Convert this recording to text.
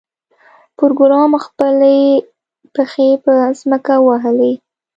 پروګرامر خپلې پښې په ځمکه ووهلې